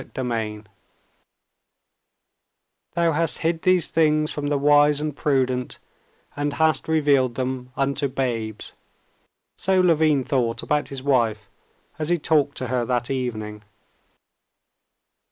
Chapter 19 "Thou hast hid these things from the wise and prudent, and hast revealed them unto babes." So Levin thought about his wife as he talked to her that evening.